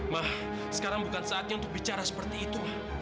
mah sekarang bukan saatnya untuk bicara seperti itu